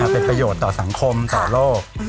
เป็นประโยชน์ต่อสังคมต่อโลก